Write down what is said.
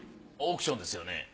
オークションですよね